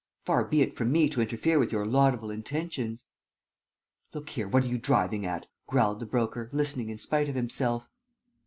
Far be it from me to interfere with your laudable intentions!" "Look here, what are you driving at?" growled the Broker, listening in spite of himself.